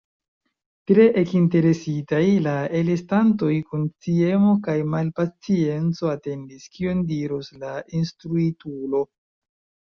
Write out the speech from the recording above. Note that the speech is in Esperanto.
Tre ekinteresitaj, la alestantoj kun sciemo kaj malpacienco atendis, kion diros la instruitulo.